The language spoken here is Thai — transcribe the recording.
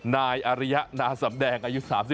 นายอริยะนาสำแดงอายุ๓๒